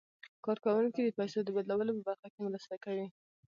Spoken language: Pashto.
کارکوونکي د پيسو د بدلولو په برخه کې مرسته کوي.